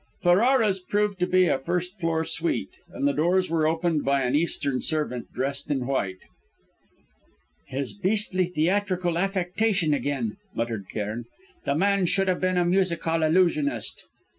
Ferrara's proved to be a first floor suite, and the doors were opened by an Eastern servant dressed in white. "His beastly theatrical affectation again!" muttered Cairn. "The man should have been a music hall illusionist!"